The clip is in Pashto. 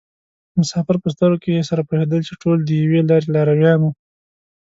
مسافر په سترګو کې سره پوهېدل چې ټول د یوې لارې لارویان وو.